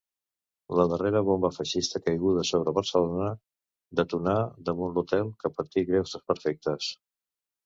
La darrera bomba feixista caiguda sobre Barcelona detonà damunt l'hotel, que patí greus desperfectes.